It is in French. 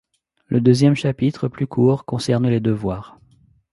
Le deuxième chapitre, plus court, concerne les devoirs.